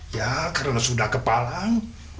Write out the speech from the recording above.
ya karena sudah kepahlawan